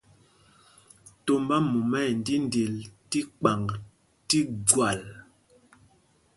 Tombá mumá ɛ ndíndil tí kpaŋg tí gwal.